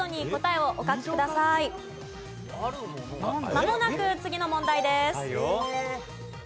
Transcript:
まもなく次の問題です。